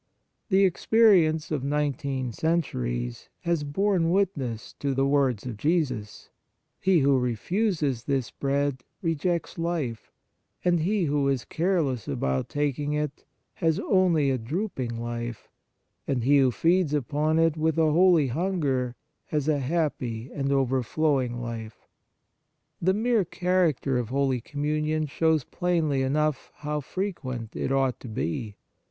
The experience of nineteen centuries has borne witness to the words of Jesus ; he who refuses this Bread rejects life, and he who is careless about taking it has only a drooping life, and he who feeds upon it with a holy hunger has a happy and overflowing life. The mere character of Holy Com munion shows plainly enough how frequent it ought to be.